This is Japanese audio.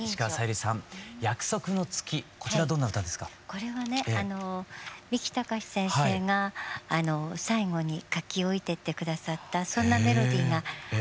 これはね三木たかし先生が最後に書き置いてって下さったそんなメロディーがあったんです。